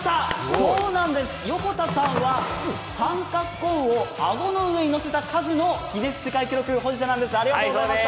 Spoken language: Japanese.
そうなんです、横田さんは三角コーンを顎の上にのせた数のギネス世界記録保持者なんです！